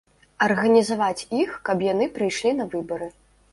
Арганізаваць іх, каб яны прыйшлі на выбары.